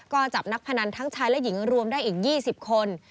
ก็จับนักพนันทั้งชายและหญิงรวมได้อีก๒๐คน